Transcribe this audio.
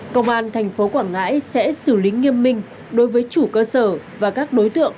công an tp quảng ngãi sẽ xử lý nghiêm minh đối với chủ cơ sở và các đối tượng